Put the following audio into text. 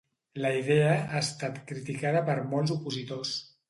La idea ha estat criticada per molts opositors.